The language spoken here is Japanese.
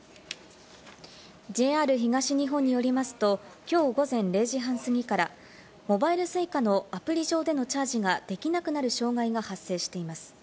ＪＲ東日本によりますと、きょう午前０時半過ぎから、モバイルＳｕｉｃａのアプリ上でのチャージができなくなる障害が発生しています。